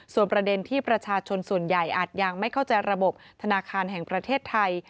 ส่วนประเด็นที่ประชาชนส่วนใหญ่อาจยังไม่เข้าใจระบบธนาคารแห่งประเทศไทย